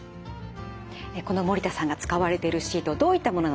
この守田さんが使われてるシートどういったものなのか